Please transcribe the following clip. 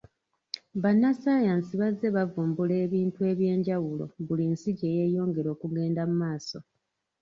Bannasayansi bazze bavumbula ebintu eby'enjawulo buli nsi gye yeyongera okugenda maaso.